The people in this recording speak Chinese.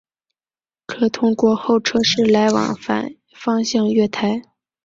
可通过候车室来往反方向月台。